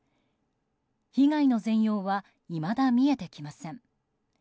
被害の全容はいまだ見えてきません。